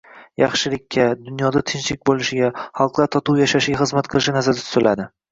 yaxshilikka, dunyoda tinchlik bo‘lishiga, xalqlar totuv yashashiga xizmat qilishi nazarda tutiladi.